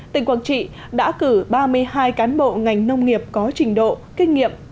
tỉnh quảng trị đã cử ba mươi hai cán bộ ngành nông nghiệp có trình độ kinh nghiệm